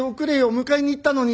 迎えに行ったのに。